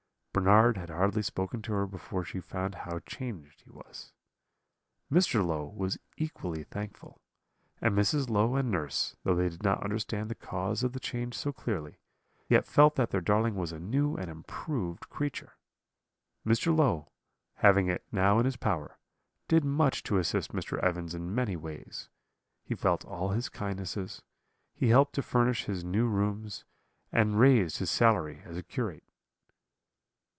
Bernard had hardly spoken to her before she found how changed he was. "Mr. Low was equally thankful; and Mrs. Low and nurse, though they did not understand the cause of the change so clearly, yet felt that their darling was a new and improved creature. Mr. Low, having it now in his power, did much to assist Mr. Evans in many ways; he felt all his kindnesses; he helped to furnish his new rooms, and raised his salary as a curate.